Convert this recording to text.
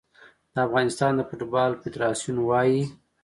د افغانستان د فوټبال فدراسیون وايي